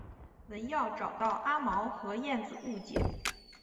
文耀找到阿毛和燕子误解。